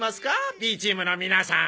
Ｂチームの皆さん。